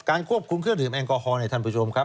ควบคุมเครื่องดื่มแอลกอฮอลเนี่ยท่านผู้ชมครับ